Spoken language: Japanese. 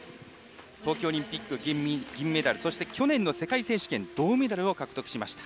東京オリンピック銀メダルそして去年の世界選手権銅メダルを獲得しました。